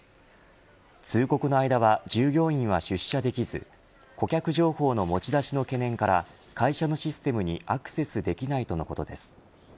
通告の間は従業員は出社できず顧客情報の持ち出しの懸念から会社のシステムにアクセスできないとのことです。